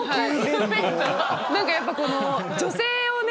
なんかやっぱこの女性をね